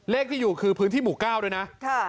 เลขที่อยู่คือพื้นที่หมู่๙ด้วยนะ